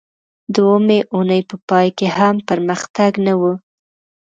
د اوومې اونۍ په پای کې هم پرمختګ نه و